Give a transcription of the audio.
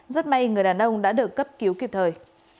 rất may người đàn ông đã được cấp cứu kịp thời